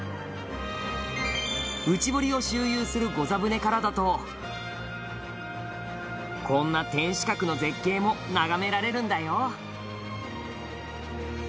内堀を周遊する御座船からだとこんな天守閣の絶景も眺められるんだよ